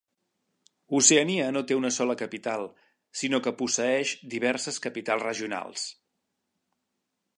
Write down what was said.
Oceania no té una sola capital, sinó que posseeix diverses capitals regionals.